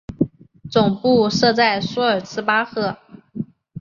总部设在苏尔茨巴赫。